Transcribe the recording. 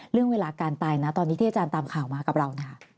เรื่องเวลาการตายนะตอนนี้ที่อาจารย์ตามข่าวมากับเรานะคะ